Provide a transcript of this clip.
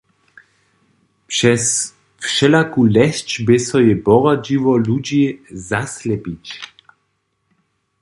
Přez wšelaku lesć bě so jej poradźiło, ludźi zaslepić.